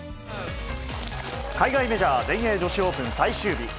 海外メジャー、全英女子オープン最終日。